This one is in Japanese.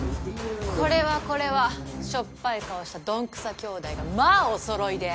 これはこれはしょっぱい顔したドンくさきょうだいがまあお揃いで。